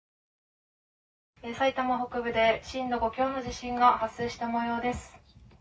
埼玉北部で震度５強の地震が発生した模様です。